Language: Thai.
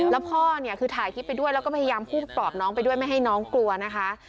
แล้วพ่อเนี่ยคือถ่ายคลิปไปด้วยแล้วก็พยายามพูดปลอบน้องไปด้วยไม่ให้น้องกลัวนะคะ